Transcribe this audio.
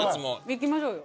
行きましょうよ。